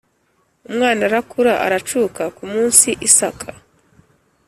Umwana arakura aracuka ku munsi Isaka